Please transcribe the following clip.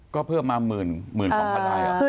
ก็เพิ่มมา๑๐๐๐๐๑๒๐๐๐ลาย